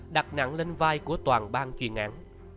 đặt nặng lên vai của toàn bang chuyên án